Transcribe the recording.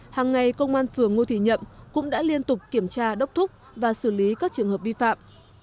hàng ngày công an phường ngô thị nhậm cũng đã liên tục kiểm tra đốc thúc và xử lý các trường hợp vi phạm